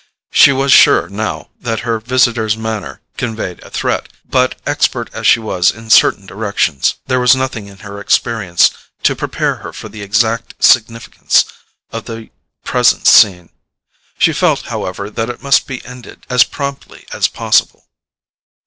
She was sure, now, that her visitor's manner conveyed a threat; but, expert as she was in certain directions, there was nothing in her experience to prepare her for the exact significance of the present scene. She felt, however, that it must be ended as promptly as possible.